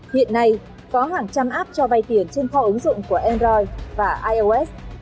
hiện nay có hàng trăm app cho vay tiền trên kho ứng dụng của android và ios